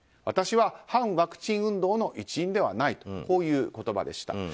私は、反ワクチン運動の一員ではないとこういう言葉でした。